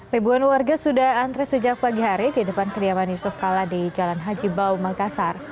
ribuan warga sudah antre sejak pagi hari di depan kediaman yusuf kala di jalan haji bau makassar